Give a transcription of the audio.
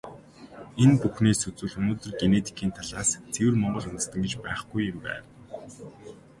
Энэ бүхнээс үзвэл, өнөөдөр генетикийн талаас ЦЭВЭР МОНГОЛ ҮНДЭСТЭН гэж байхгүй юм байна.